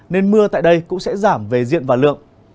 nên mưa tại đây cũng sẽ giảm về diện và lượng